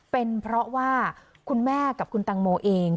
เป็นเพราะว่าคุณแม่กับคุณตังโมเอง